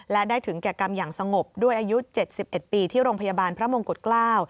และได้ถึงแก่กรรมอย่างสงบด้วยอายุ๗๑ปีที่โรงพยาบาลพระมงกุฎเกล้า